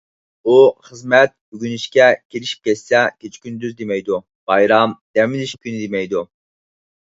ئۇ خىزمەت، ئۆگىنىشكە كىرىشىپ كەتسە كېچە-كۈندۈز دېمەيدۇ؛ بايرام، دەم ئېلىش كۈنى دېمەيدۇ.